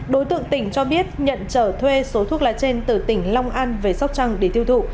đối tượng tỉnh cho biết nhận trở thuê số thuốc lá trên từ tỉnh long an về sóc trăng để tiêu thụ